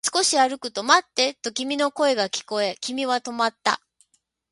少し歩くと、待ってと君の声が聞こえ、君は止まった